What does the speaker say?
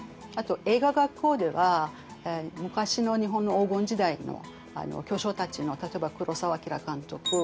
あと映画学校では昔の日本の黄金時代の巨匠たちの例えば黒澤明監督